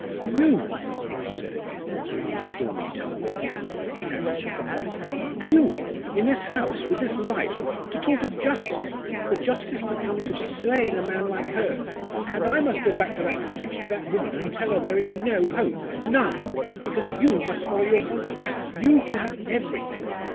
"You," she said again, walking stormily to and fro, and catching at her breath "You, in this house, with this life to talk of justice the justice that comes of slaying a man like Hurd! And I must go back to that cottage, to that woman, and tell her there is no hope none! Because you must follow your conscience you who have everything!